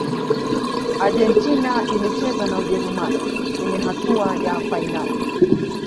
argentina ilicheza na ujerumani kwenye hatua ya fainali